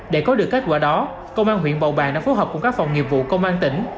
để có được kết quả đó công an huyện bầu bàng đã phối hợp cùng các phòng nghiệp vụ công an tỉnh